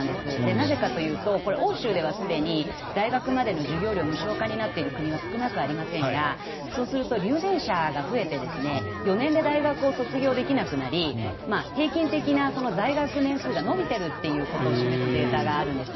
なぜかというと欧州ではすでに大学までの授業料無償化になっている国は少なくありませんがそうすると留年者が増えて４年で大学を卒業できなくなり平均的な在学年数が延びているということを示すデータがあるんです。